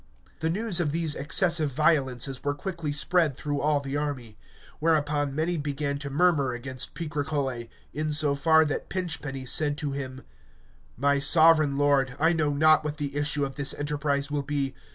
The news of these excessive violences were quickly spread through all the army; whereupon many began to murmur against Picrochole, in so far that Pinchpenny said to him, My sovereign lord, I know not what the issue of this enterprise will be.